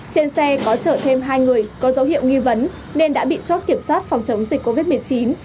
trên xe có chở thêm hai người có dấu hiệu nghi vấn nên đã bị chót kiểm soát phòng chống dịch covid một mươi chín